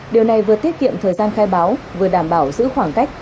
điều này vừa tiết kiệm thời gian khai báo vừa đảm bảo giữ khoảng cách